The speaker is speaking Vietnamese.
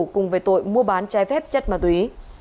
cùng về tội mua bán trái phép chất ma túy